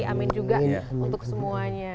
amin juga untuk semuanya